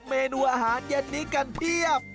เมนูอาหารเย็นนี้กันเพียบ